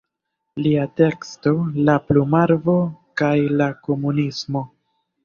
Lia teksto "La plumarbo kaj la komunismo.